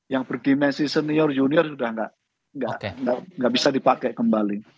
yang berdimensi senior junior sudah tidak bisa dipakai kembali